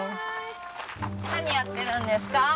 何やってるんですか？